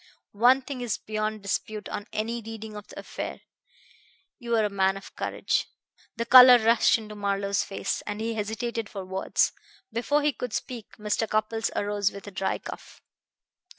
One thing is beyond dispute on any reading of the affair: you are a man of courage." The color rushed into Marlowe's face, and he hesitated for words. Before he could speak Mr. Cupples arose with a dry cough.